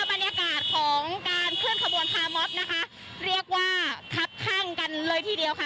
บรรยากาศของการเคลื่อนขบวนพามอบนะคะเรียกว่าคับข้างกันเลยทีเดียวค่ะ